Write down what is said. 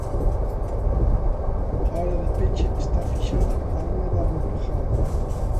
A hora de peche está fixada á unha da madrugada.